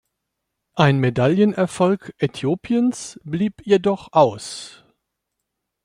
Ein Medaillenerfolg Äthiopiens blieb jedoch aus.